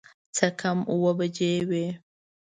څه کم اووه بجې وې.